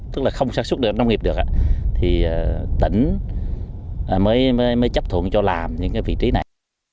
tức là không sản xuất được nông nghiệp được thì tỉnh mới chấp thuận cho làm những cái vị trí này